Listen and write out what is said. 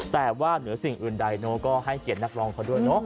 แต่ว่าเหนือสิ่งอื่นใดก็ให้เกียรตินักร้องเขาด้วยเนาะ